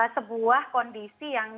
sebuah kondisi yang